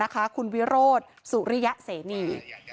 คุณวิโรธสุริยเสนี